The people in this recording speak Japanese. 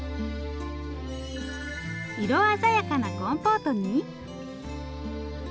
色鮮やかなコンポートに。